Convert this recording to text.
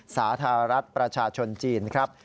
สาธารัฐประชาชนจีนครับ